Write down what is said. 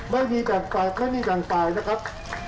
ไม่มีจังสักไม่มีจังสายนะครับ